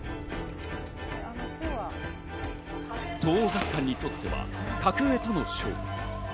東桜学館にとっては格上との勝負。